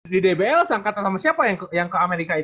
di dbl sangkatan sama siapa yang ke amerika itu